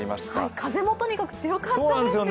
風もとにかく強かったですよね。